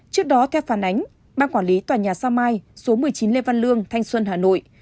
trước đó theo phản ánh ban quản lý tòa nhà sao mai số một mươi chín lê văn lương thanh xuân hà nội